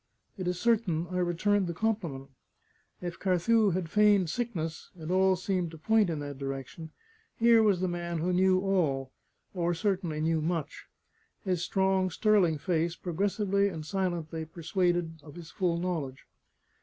It is certain I returned the compliment. If Carthew had feigned sickness and all seemed to point in that direction here was the man who knew all or certainly knew much. His strong, sterling face progressively and silently persuaded of his full knowledge.